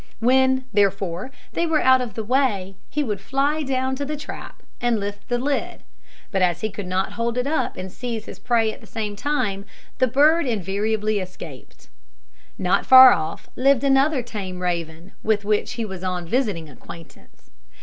When, therefore, they were out of the way, he would fly down to the trap and lift the lid; but as he could not hold it up and seize his prey at the same time, the bird invariably escaped. Not far off lived another tame raven, with which he was on visiting acquaintance.